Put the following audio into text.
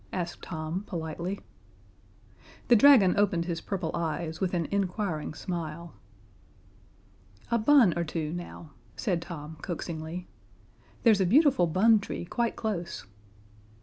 asked Tom, politely. The dragon opened his purple eyes with an inquiring smile. "A bun or two, now," said Tom, coaxingly. "There's a beautiful bun tree quite close."